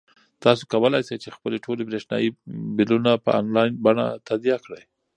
تاسو کولای شئ چې خپلې ټولې برېښنايي بلونه په انلاین بڼه تادیه کړئ.